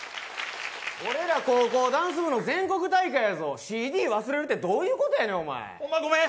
俺ら高校ダンス部の全国大会やぞＣＤ忘れるってどういうことやねんホンマごめん！